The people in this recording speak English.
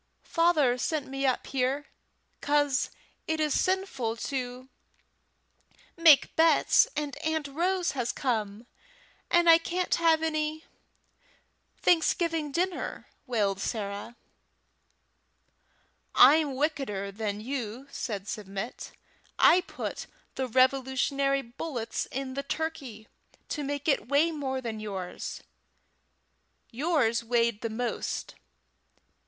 "Father sent me up here 'cause it is sinful to make bets, and Aunt Rose has come, and I can't have any Thanksgiving dinner," wailed Sarah. "I'm wickeder than you," said Submit. "I put the Revolutionary bullets in the turkey to make it weigh more than yours. Yours weighed the most.